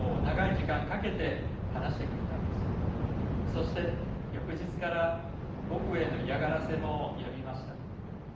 そして翌日から僕への嫌がらせもやみました。